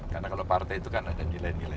karena kalau partai itu kan ada nilai nilai